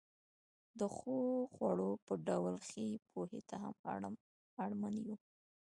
د ښو خوړو په ډول ښې پوهې ته هم اړمن یو.